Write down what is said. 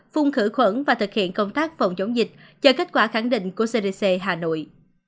phun khử khuẩn và thực hiện công tác phòng chống dịch cho kết quả khẳng định của cdc hà nội